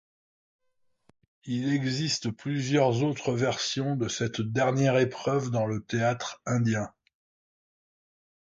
Il existe plusieurs autres versions de cette dernière épreuve dans le théâtre indien.